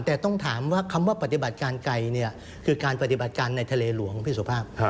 แต่ต้องถามว่าคำว่าปฏิบัติการไกลคือการปฏิบัติการในทะเลหลวงพี่สุภาพ